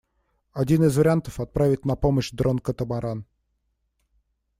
Один из вариантов — отправить на помощь дрон-катамаран.